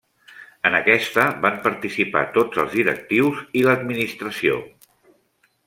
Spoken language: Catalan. En aquesta van participar tots els directius i l'administració.